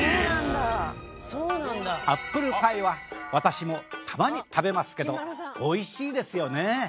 アップルパイは私もたまに食べますけど美味しいですよね。